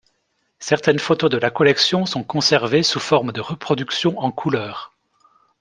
Certaines photos de la collection sont conservées sous forme de reproductions en couleur.